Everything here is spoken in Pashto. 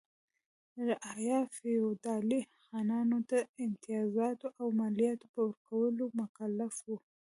رعایا فیوډالي خانانو ته د امتیازاتو او مالیاتو په ورکولو مکلف و.